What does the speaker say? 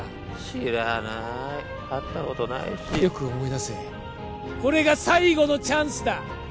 知らない会ったことないしよく思い出せこれが最後のチャンスだ